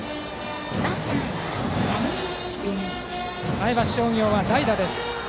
前橋商業は代打です。